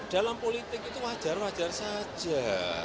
dalam politik itu wajar wajar saja